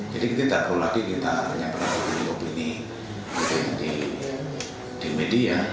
jadi kita tidak perlu lagi kita penyampelan opini opini di media